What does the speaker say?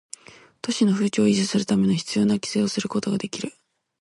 都市の風致を維持するため必要な規制をすることができる